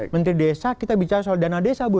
menteri desa kita bicara soal dana desa bu